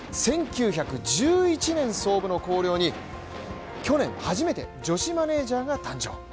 １９１１年創部の広陵に去年、初めて女子マネージャーが誕生。